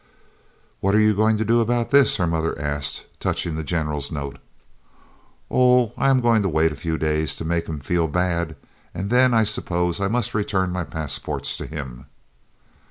"What are you going to do about this?" her mother asked, touching the General's note. "Oh, I am going to wait a few days to make him 'feel bad' and then, I suppose, I must return my passports to him."